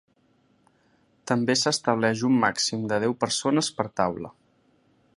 També s’estableix un màxim de deu persones per taula.